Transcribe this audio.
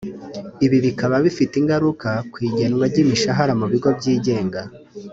Ibi bikaba bifite ingaruka ku igenwa ry’imishahara mu bigo byigenga